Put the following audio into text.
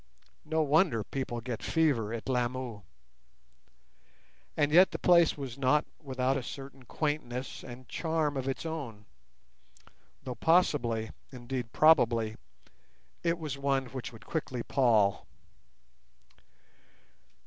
No wonder people get fever at Lamu. And yet the place was not without a certain quaintness and charm of its own, though possibly—indeed probably—it was one which would quickly pall.